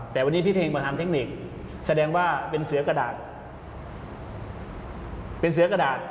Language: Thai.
แต่วันนี้พี่เฮงมาทำเทคนิคแสดงว่าเป็นเสือกระดาษ